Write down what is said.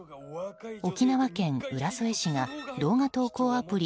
沖縄県浦添市が動画投稿アプリ